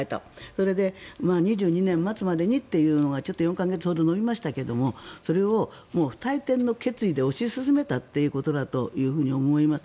それで、２２年末までにというのが４か月ほど延びましたがそれを不退転の決意で推し進めたということだと思います。